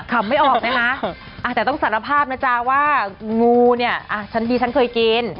คำไม่ออกนะคะแต่ต้องสารภาพนะจ๊ะว่างูเนี่ยฉันดีฉันเคยกิน